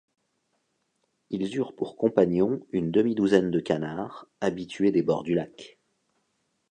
Ils eurent pour compagnons une demi-douzaine de canards, habitués des bords du lac